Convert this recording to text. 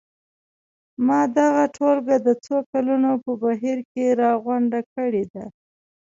ما دغه ټولګه د څو کلونو په بهیر کې راغونډه کړې ده.